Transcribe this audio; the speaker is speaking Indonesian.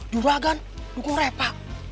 juragan dukung repa